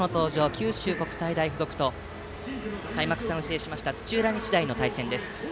九州国際大付属と開幕戦を制した土浦日大の対戦です。